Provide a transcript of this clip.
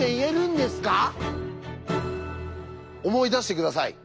思い出して下さい。